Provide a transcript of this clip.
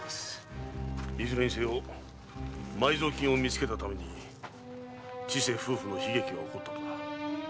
いずれにせよ埋蔵金を見つけたために千世夫婦の悲劇は起こったのだ。